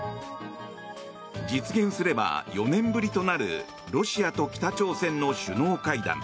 実現すれば４年ぶりとなるロシアと北朝鮮の首脳会談。